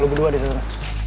lo berdua di sana